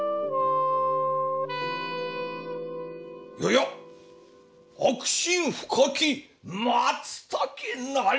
やや悪心深き松茸なり。